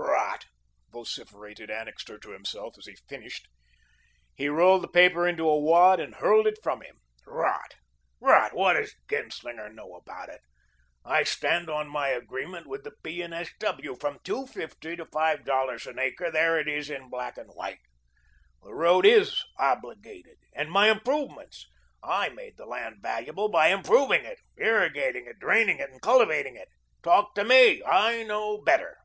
"Rot!" vociferated Annixter to himself as he finished. He rolled the paper into a wad and hurled it from him. "Rot! rot! What does Genslinger know about it? I stand on my agreement with the P. and S. W. from two fifty to five dollars an acre there it is in black and white. The road IS obligated. And my improvements! I made the land valuable by improving it, irrigating it, draining it, and cultivating it. Talk to ME. I know better."